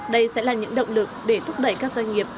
đây sẽ là những động lực để thúc đẩy các doanh nghiệp